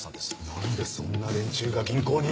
何でそんな連中が銀行に！